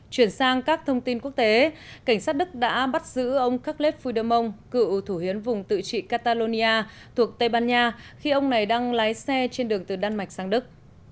chuyển sang các thông tin quốc tế cảnh sát đức đã bắt giữ ông các lết phúy đơ mông cựu thủ hiến vùng tự trị catalonia thuộc tây ban nha khi ông này đang lái xe trên đường từ đan mạch sang đức